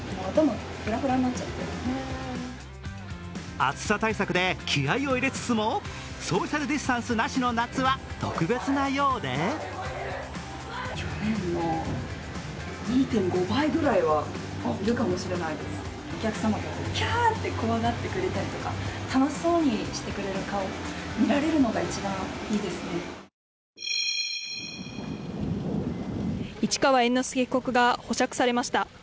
暑さ対策で気合いを入れつつもソーシャルディスタンスなしの夏は特別なようで市川猿之助被告が保釈されました。